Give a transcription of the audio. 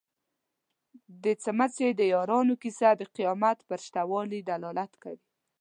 د څمڅې د یارانو کيسه د قيامت پر شته والي دلالت کوي.